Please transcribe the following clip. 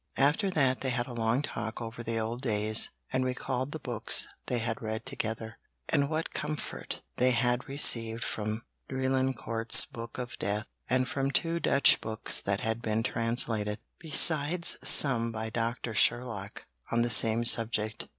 After that they had a long talk over the old days, and recalled the books they had read together, and what comfort they had received from Drelincourt's Book of Death, and from two Dutch books that had been translated, besides some by Dr. Sherlock on the same subject.